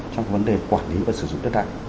trong vấn đề quản lý và sử dụng đất